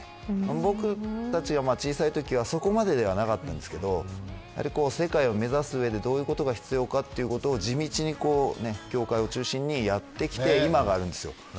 僕たちが小さいときはそこまでではなかったんですけどやはり世界を目指す上でどういうことが必要かということを地道に、協会を中心にやってきて今があるんです。